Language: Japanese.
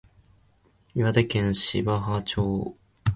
岩手県紫波町